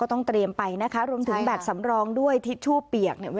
ต้องเตรียมไปนะคะรวมถึงแบตสำรองด้วยทิชชู่เปียกเนี่ย